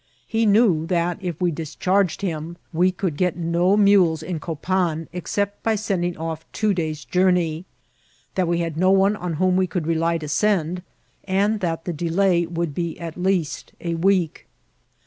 He knew that, if we <lischarged him, we could get no mules in Copan except by sending off two days' journey ; that we had no one on whom we could rely to send ; and that the delay would be at least a week.